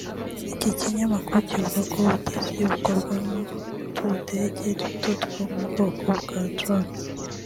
Iki kinyamakuru kivuga ko ubutasi bukorwa n’utudege duto two mu bwoko bwa drone